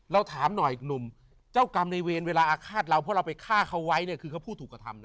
เราถามหน่อยหนุ่มเจ้ากรรมในเวรเวลาอาฆาตเราเพราะเราไปฆ่าเขาไว้เนี่ยคือเขาผู้ถูกกระทำนะ